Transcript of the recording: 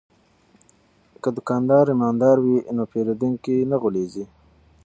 که دوکاندار ایماندار وي نو پیرودونکی نه غولیږي.